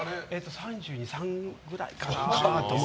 ３２３３くらいかなと。